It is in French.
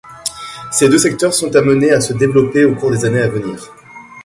Ces deux secteurs sont amenés à se développer au cours des années à venir.